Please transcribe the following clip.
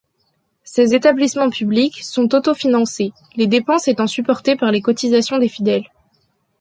Ces établissements publics sont auto-financés, les dépenses étant supportées par les cotisations des fidèles.